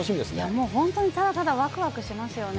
もう本当にただただわくわくしますよね。